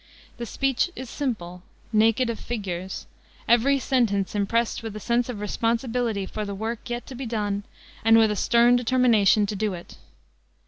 The speech is simple, naked of figures, every sentence impressed with a sense of responsibility for the work yet to be done and with a stern determination to do it.